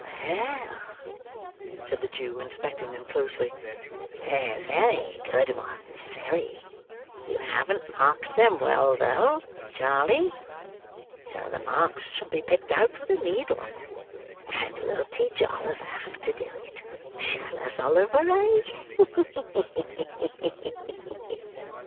"Well," said the Jew, inspecting them closely; "they're very good ones, very. You haven't marked them well, though, Charley; so the marks shall be picked out with a needle, and we'll teach Oliver how to do it. Shall us, Oliver, eh? Ha! ha! ha!"